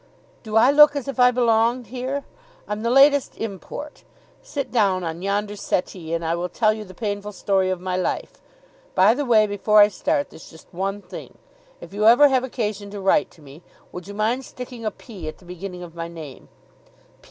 "Do I look as if I belonged here? I'm the latest import. Sit down on yonder settee, and I will tell you the painful story of my life. By the way, before I start, there's just one thing. If you ever have occasion to write to me, would you mind sticking a P at the beginning of my name?